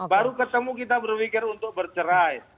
baru ketemu kita berpikir untuk bercerai